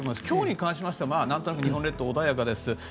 今日に関してはなんとなく日本列島は穏やかです。